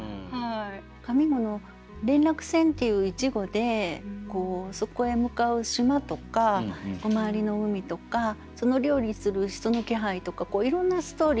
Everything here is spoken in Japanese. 上五の「連絡船」っていう一語でそこへ向かう島とか周りの海とか乗り降りする人の気配とかいろんなストーリー